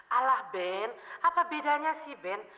alah ben apa bedanya sih ben